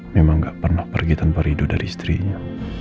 memang nggak pernah pergi tanpa ridho dari istrinya